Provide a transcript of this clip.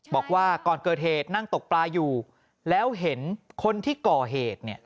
บอกว่าก่อนเกิดเหตุนั่งตกปลาอยู่แล้วเห็นคนที่ก่อเหตุเนี่ย